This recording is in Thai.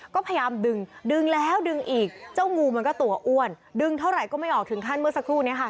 ก็พยายามดึงดึงแล้วดึงอีกเจ้างูมันก็ตัวอ้วนดึงเท่าไหร่ก็ไม่ออกถึงขั้นเมื่อสักครู่นี้ค่ะ